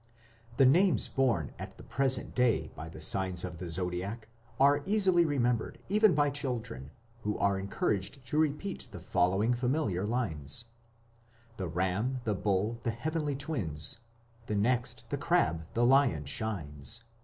The names borne at the present day by the signs of the Zodiac are easily remembered even by children, who are encouraged to repeat the following familiar lines: The Ram, the Bull, the heavenly Twins, And next the Crab, the Lion shines.